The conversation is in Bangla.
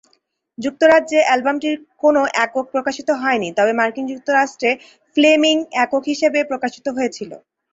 যুক্তরাজ্যে, অ্যালবামটির কোনও একক প্রকাশিত হয়নি, তবে মার্কিন যুক্তরাষ্ট্রে, "ফ্লেমিং" একক হিসাবে প্রকাশিত হয়েছিল।